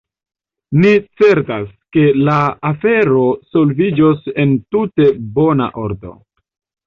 Ni certas, ke la afero solviĝos en tute bona ordo.